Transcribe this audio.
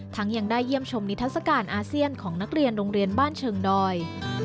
ยังได้เยี่ยมชมนิทัศกาลอาเซียนของนักเรียนโรงเรียนบ้านเชิงดอย